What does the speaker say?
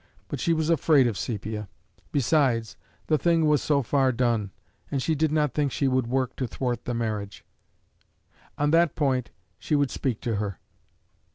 But she was afraid of Sepia. Besides, the thing was so far done; and she did not think she would work to thwart the marriage. On that point she would speak to her.